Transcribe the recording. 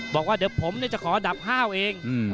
บอกว่าเดี๋ยวผมจะขอดับห้าวเอง